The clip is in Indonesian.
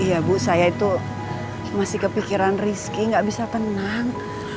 iya bu saya itu masih kepikiran rizky gak bisa tenang